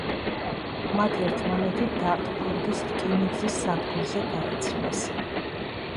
მათ ერთმანეთი დარტფორდის რკინიგზის სადგურზე გაიცნეს.